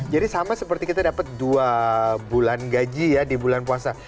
jadi sama seperti kita dapet dua bulan gaji ya di bulan puasa